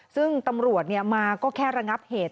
ซึ่งตำรวจมาก็แค่ระงับเหตุ